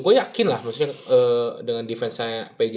gue yakin lah maksudnya dengan defense nya p i j